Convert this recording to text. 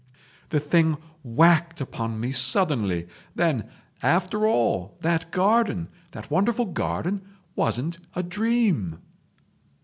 "The thing whacked upon me suddenly. Then, after all, that garden, that wonderful garden, wasn't a dream!"